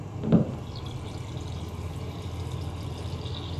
Su banda favorita es The Police.